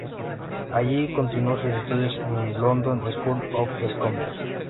Allí continuó sus estudios en la London School of Economics.